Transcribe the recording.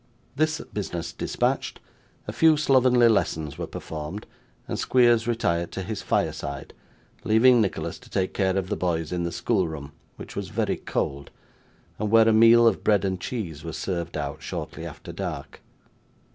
This business dispatched, a few slovenly lessons were performed, and Squeers retired to his fireside, leaving Nicholas to take care of the boys in the school room, which was very cold, and where a meal of bread and cheese was served out shortly after dark.